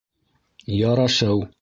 — Ярашыу!